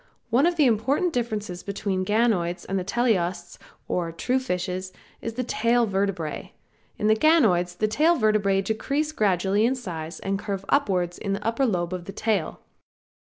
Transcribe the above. One of the important differences between the ganoids and the teleosts or true fishes is in the tail vertebrae. In the ganoids the tail vertebrae decrease gradually in size and curve upwards in the upper lobe of the tail.